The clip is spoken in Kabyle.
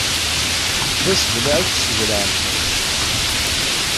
D asebleɛ i yesseblaɛ lqut!